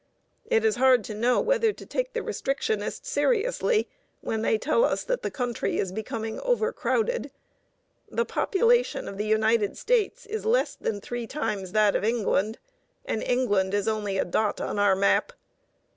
It is hard to know whether to take the restrictionists seriously when they tell us that the country is becoming overcrowded. The population of the United States is less than three times that of England, and England is only a dot on our map.